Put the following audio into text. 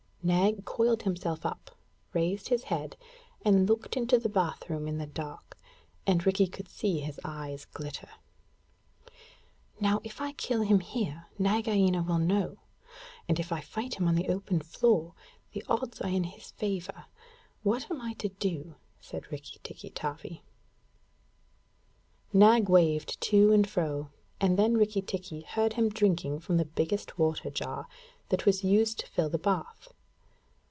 Nag coiled himself up, raised his head, and looked into the bath room in the dark, and Rikki could see his eyes glitter. 'Now, if I kill him here, Nagaina will know; and if I fight him on the open floor, the odds are in his favour. What am I to do?' said Rikki tikki tavi. Nag waved to and fro, and then Rikki tikki heard him drinking from the biggest water jar that was used to fill the bath.